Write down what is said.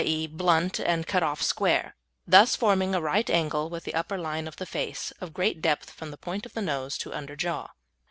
e._ blunt and cut off square, thus forming a right angle with the upper line of the face, of great depth from the point of the nose to under jaw.